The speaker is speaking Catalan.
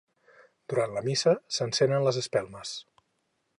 Durant la missa, s'encenen les espelmes.